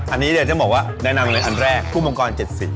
อันนี้เดี๋ยวจะบอกว่าแนะนำเลยอันแรกผู้มังกร๗๐